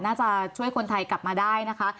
น่าจะช่วยคนไทยกลับมาได้นะคะ